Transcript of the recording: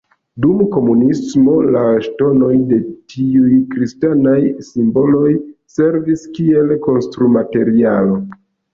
Dum komunismo la ŝtonoj de tiuj kristanaj simboloj servis kiel konstrumaterialo.